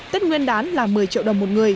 tết nguyên đán là một mươi triệu đồng một người